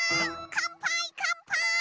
かんぱいかんぱい！